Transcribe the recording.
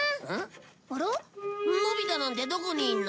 のび太なんてどこにいるの？